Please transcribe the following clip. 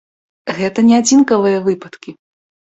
Гэта не адзінкавыя выпадкі!